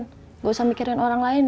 nggak usah mikirin orang lain